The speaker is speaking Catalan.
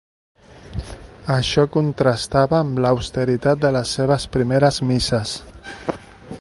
Això contrastava amb l'austeritat de les seves primeres misses.